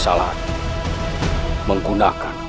ajihan ini sirewangi